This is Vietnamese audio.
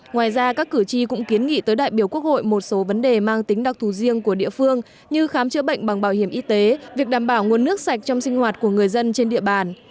ngoài ra các cử tri cũng kiến nghị tới đại biểu quốc hội một số vấn đề mang tính đặc thù riêng của địa phương như khám chữa bệnh bằng bảo hiểm y tế việc đảm bảo nguồn nước sạch trong sinh hoạt của người dân trên địa bàn